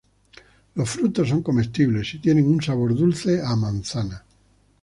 Los frutos son comestibles y tienen un sabor dulce a manzana.